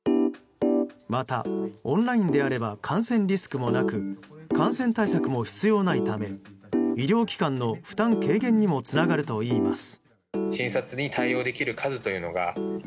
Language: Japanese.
またオンラインであれば感染リスクもなく感染対策も必要ないため医療機関の負担軽減にもつながるといいます。